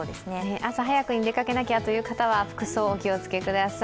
朝早くに出かけなきゃという方は、服装、お気をつけください。